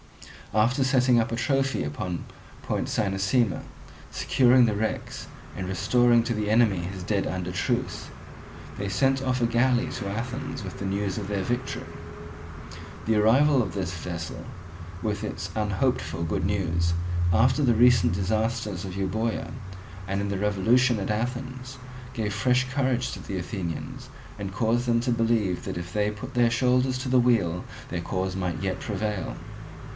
After setting up a trophy upon Point Cynossema, securing the wrecks, and restoring to the enemy his dead under truce, they sent off a galley to Athens with the news of their victory. The arrival of this vessel with its unhoped for good news, after the recent disasters of Euboea, and in the revolution at Athens, gave fresh courage to the Athenians, and caused them to believe that if they put their shoulders to the wheel their cause might yet prevail.